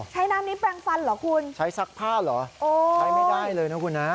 น้ำนี้แปลงฟันเหรอคุณใช้ซักผ้าเหรอโอ้ใช้ไม่ได้เลยนะคุณฮะ